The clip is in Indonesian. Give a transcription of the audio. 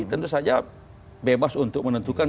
tentu saja bebas untuk menentukan